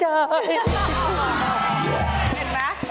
หรือใครกำลังร้อนเงิน